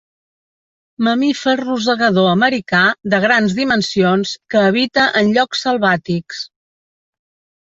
Mamífer rosegador americà de grans dimensions que habita en llocs selvàtics.